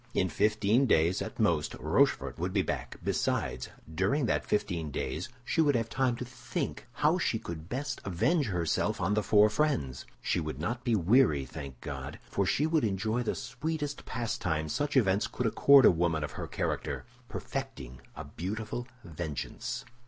In fifteen days at most, Rochefort would be back; besides, during that fifteen days she would have time to think how she could best avenge herself on the four friends. She would not be weary, thank God! for she should enjoy the sweetest pastime such events could accord a woman of her character—perfecting a beautiful vengeance.